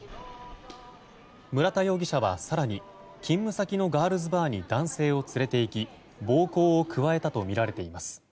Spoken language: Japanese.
村田容疑者は、更に勤務先のガールズバーに男性を連れていき暴行を加えたとみられています。